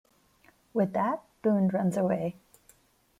With that, Boone runs away.